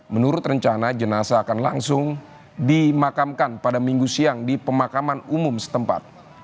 menurut rencana jenazah akan langsung dimakamkan pada minggu siang di pemakaman umum setempat